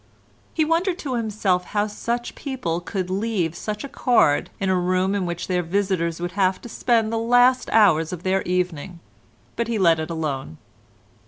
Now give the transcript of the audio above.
He wondered to himself how such people could leave such a card in a room in which their visitors would have to spend the last hours of their evening, but he let it alone.